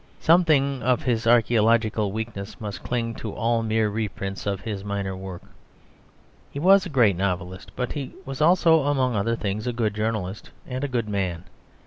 Something of this archæological weakness must cling to all mere reprints of his minor work. He was a great novelist; but he was also, among other things, a good journalist and a good man.